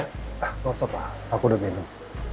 ah masuklah aku udah minum